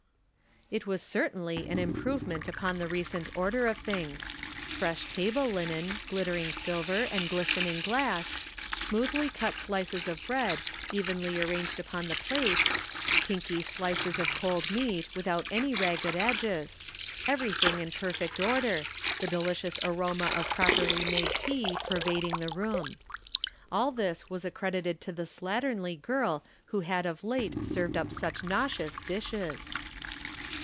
It was certainly an improyement upon the re cent order of things. Fresh table linen, glitter ing silver and glistening glass, smoothly cut slices of bread evenly arranged upon the plate, pinky slices of cold meat without any ragged edges — everything in perfect order, the delicious aroma of properly made tea pervading the room. All this was accredited to the slatternly girl who had of late served up such nauseous dishes.